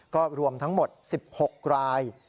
ก็รวมทั้งหมด๑๖ราย